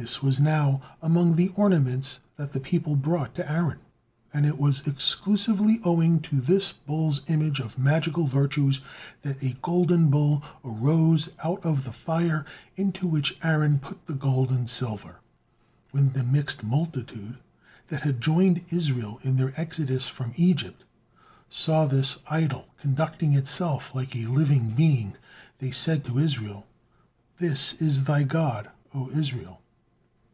This was now among the ornaments that the people brought to Aaron, and it was exclusively owing to this bull's image of magical virtues, that a golden bull arose out of the fire into which Aaron put the gold and silver. When the mixed multitude that had joined Israel in their exodus from Egypt saw this idol conducting itself like a living being, they said to Israel: "This is thy God, O Israel."